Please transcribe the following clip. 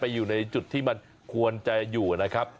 อยู่ในจุดที่มันควรจะอยู่นะครับ